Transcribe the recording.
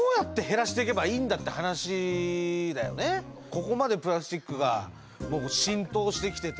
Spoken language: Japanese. ここまでプラスチックが浸透してきてて。